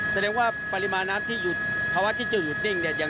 แสดงว่าปริมาณน้ำที่หยุดภาวะที่จะหยุดนิ่งเนี่ย